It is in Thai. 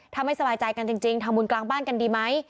ถ้าไม่สบายใจกันจริงทำบุญกลางบ้านกันดีไหม